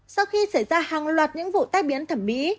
sau khi xảy ra hàng loạt những vụ tai biến thẩm mỹ